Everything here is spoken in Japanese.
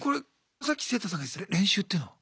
さっきセイタさんが言ってた練習っていうのは？